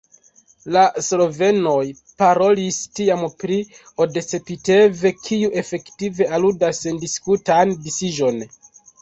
La slovenoj parolis tiam pri odcepitev, kiu efektive aludas sendiskutan disiĝon.